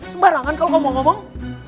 sebarangan kalau kamu mau ngomong